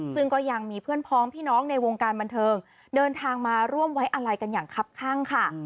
ซึ่งก็ยังมีเพื่อนพ้องพี่น้องในวงการบันเทิงเดินทางมาร่วมไว้อะไรกันอย่างคับข้างค่ะ